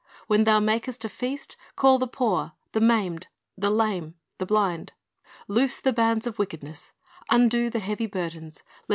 "'' When thou makest a feast, call the poor, the maimed, the lame, the blind." '" Loose the bands of wickedness, "'• undo the heavy burdens, " "let the 1 Luke 12 : 33 ; i Tim.